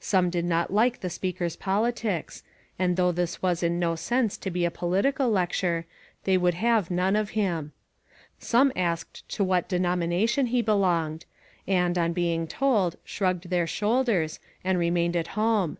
Some did not like the speaker's politics, and, though this was in no sense to be a political lecture, they would have none of him. Some asked to what denomination he belonged, and, on being told, shrugged their shoulders, and 412 ONE COMMONPLACE DAY. remained at home.